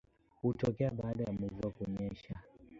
Hutokea baada ya mvua kunyesha